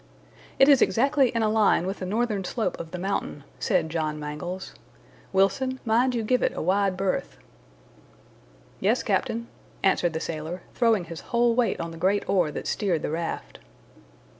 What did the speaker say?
"It is exactly in a line with the northern slope of the mountain," said John Mangles. "Wilson, mind you give it a wide berth." "Yes, captain," answered the sailor, throwing his whole weight on the great oar that steered the raft.